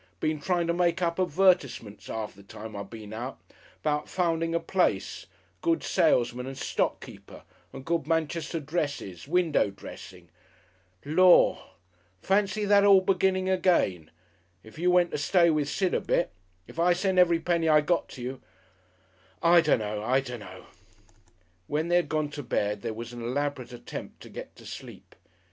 Been trying to make up advertisements 'arf the time I been out 'bout finding a place, good salesman and stock keeper, and good Manchester dresses, window dressing Lor'! Fancy that all beginning again!... If you went to stay with Sid a bit if I sent every penny I got to you I dunno! I dunno!" When they had gone to bed there was an elaborate attempt to get to sleep....